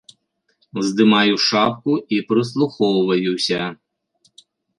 Здымаю шапку і прыслухоўваюся.